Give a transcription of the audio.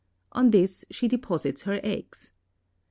On this she deposits her eggs.